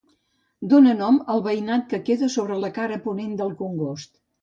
Dóna nom al veïnat que queda sobre la cara ponent del Congost.